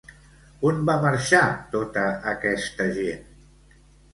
On van marxar tota aquesta gent?